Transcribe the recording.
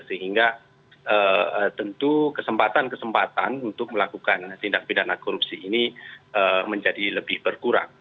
sehingga tentu kesempatan kesempatan untuk melakukan tindak pidana korupsi ini menjadi lebih berkurang